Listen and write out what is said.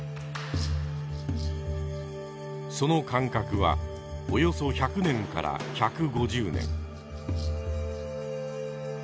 その間隔はおよそ１００年から１５０年。